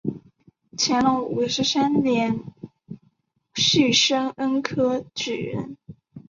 乾隆五十三年戊申恩科举人。